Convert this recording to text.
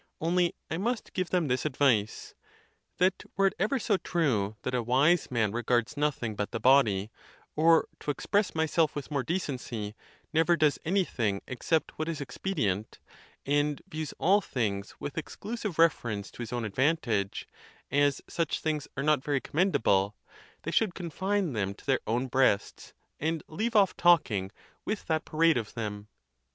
Only I must give them this advice: That were it ever so true, that a wise man regards nothing but the body, or, to express myself with more decency, nev er does anything except what is expedient, and views all things with exclusive reference to his own advantage, as such things are not very commendable, they should confine them to their own breasts, and leave off talking with that parade of them.